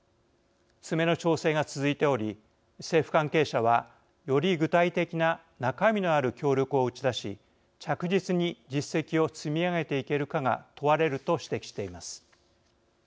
詰めの調整が続いており政府関係者はより具体的な中身のある協力を打ち出し着実に実績を積み上げていけるかが問われると指摘しています。